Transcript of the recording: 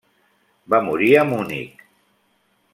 Va morir a Munic.